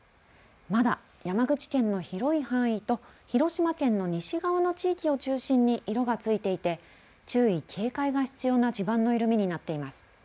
まだ山口県の広い範囲と広島県の西側の地域を中心に色がついていて注意警戒が必要な地盤の緩みになっています。